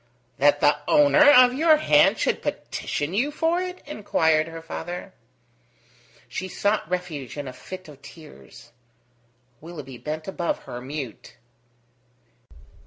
"That the owner of your hand should petition you for it?" inquired her father. She sought refuge in a fit of tears. Willoughby bent above her, mute.